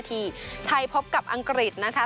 ที่ไทยพบกับอังกฤษนะคะ